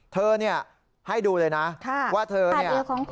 เธอเนี่ยให้ดูเลยนะว่าเธอเนี่ย